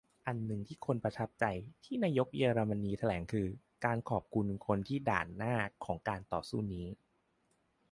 อันนึงที่คนประทับใจที่นายกเยอรมนีแถลงก็คือ การขอบคุณคนที่ "ด่านหน้า" ของการต่อสู้นี้